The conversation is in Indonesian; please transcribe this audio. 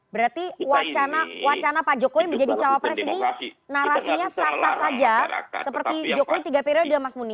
berarti wacana pak jokowi menjadi calon presiden ini narasinya sasar saja seperti jokowi tiga periode mas muni